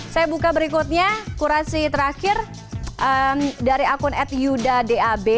saya buka berikutnya kurasi terakhir dari akun atyudadab